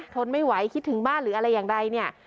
ทนไม่ไหวคิดถึงบ้านหรืออะไรอย่างไรเนี่ย